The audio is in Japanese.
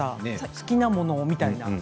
好きなものみたいな。